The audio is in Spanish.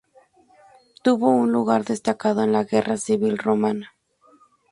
Tuvo un lugar destacado en la guerra civil romana.